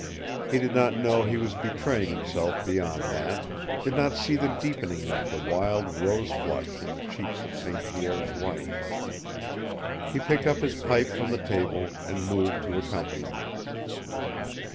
He did not know he was betraying himself beyond that, did not see the deepening of the wild rose flush in the cheeks of St. Pierre's wife. He picked up his pipe from the table and moved to accompany her.